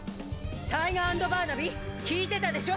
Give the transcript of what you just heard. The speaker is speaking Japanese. タイガー＆バーナビー聞いてたでしょ！